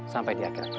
sampai di akhirat kiai